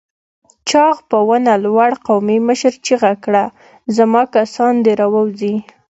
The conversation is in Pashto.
چاغ په ونه لوړ قومي مشر چيغه کړه! زما کسان دې راووځي!